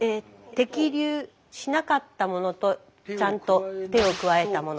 摘粒しなかったものとちゃんと手を加えたもの。